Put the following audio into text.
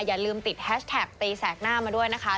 อย่าลืมติดแฮชแท็กตีแสกหน้ามาด้วยนะคะ